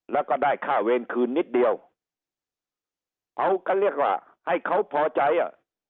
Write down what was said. แล้วก็ได้ค่าเวรคืนนิดเดียวเขาก็เรียกว่าให้เขาพอใจอ่ะ